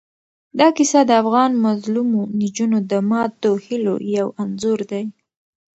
دا کیسه د افغان مظلومو نجونو د ماتو هیلو یو انځور دی.